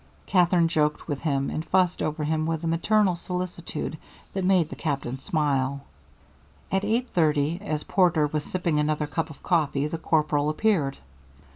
Katherine joked with him, and fussed over him with a maternal solicitude that made the Captain smile. At eight thirty, as Porter was sipping another cup of coffee, the corporal appeared.